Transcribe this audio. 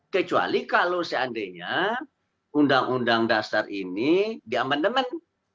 kecuali kalau seandainya undang undang dasar ini di amandemen